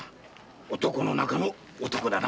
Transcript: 男の中の男だ。